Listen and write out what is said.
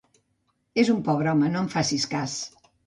És un pobre home, no en facis cas.